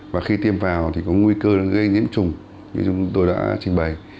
và khi tiêm vào thì có nguy cơ gây nhiễm trùng như chúng tôi đã trình bày